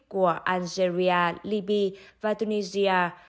của algeria libya và tunisia